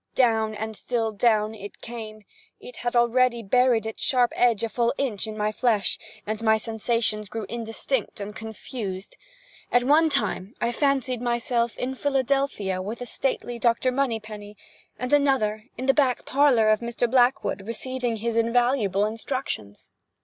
Down and still down, it came. It had already buried its sharp edge a full inch in my flesh, and my sensations grew indistinct and confused. At one time I fancied myself in Philadelphia with the stately Dr. Moneypenny, at another in the back parlor of Mr. Blackwood receiving his invaluable instructions.